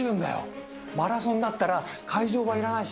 マラソンだったら会場はいらないし。